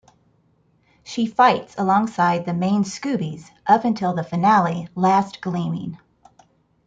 She fights alongside the main Scoobies up until the finale Last Gleaming.